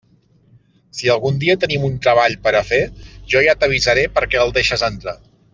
Si algun dia tenim un treball per a fer, jo ja t'avisaré perquè el deixes entrar.